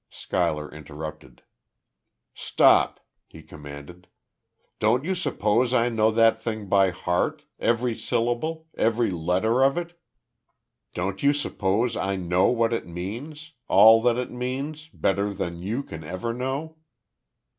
Schuyler interrupted. "Stop!" he commanded. "Don't you suppose I know that thing by heart every syllable every letter of it? Don't you suppose I know what it means all that it means better than you can ever know?"